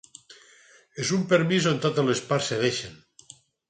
És un permís on totes les parts cedeixen.